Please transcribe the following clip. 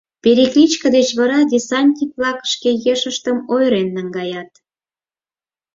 Перекличка деч вара десятник-влак шке еҥыштым ойырен наҥгаят.